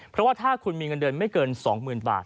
เพราะถ้าคุณมีเงินเดือนไม่เกิน๒หมื่นบาท